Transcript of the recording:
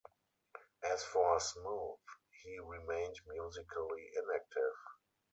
As for Smooth, he remained musically inactive.